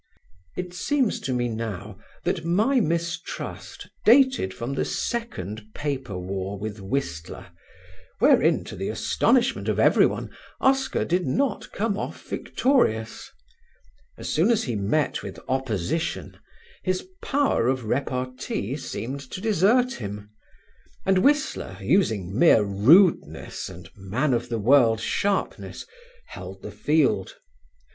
It seems to me now that my mistrust dated from the second paper war with Whistler, wherein to the astonishment of everyone Oscar did not come off victorious. As soon as he met with opposition his power of repartee seemed to desert him and Whistler, using mere rudeness and man of the world sharpness, held the field.